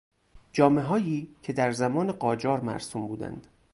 جامههایی که در زمان قاجار مرسوم بودند